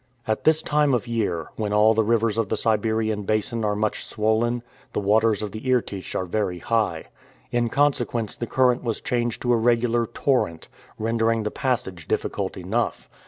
At this time of year, when all the rivers of the Siberian basin are much swollen, the waters of the Irtych were very high. In consequence the current was changed to a regular torrent, rendering the passage difficult enough.